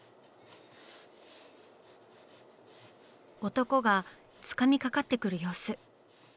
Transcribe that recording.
男がつかみかかってくる様子。